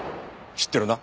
知ってるな？